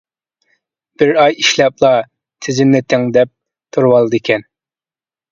بىر ئاي ئىشلەپلا تىزىملىتىڭ دەپ تۇرۇۋالىدىكەن.